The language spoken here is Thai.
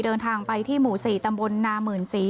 เดินทางไปที่หมู่๔ตำบลนาหมื่นศรี